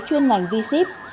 chuyên ngành v ship